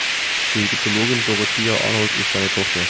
Die Ägyptologin Dorothea Arnold ist seine Tochter.